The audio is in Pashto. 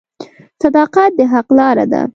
• صداقت د حق لاره ده.